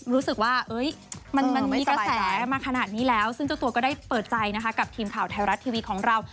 รู้สึกว่ามันมีกระแสมาขนาดนี้แล้วซึ่งเจ้าตัวก็ได้เปิดใจนะคะกับทีมข่าวไทยรัฐทีวีของเรา